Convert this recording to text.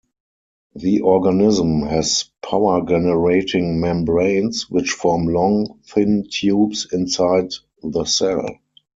The organism has power generating membranes, which form long, thin tubes inside the cell.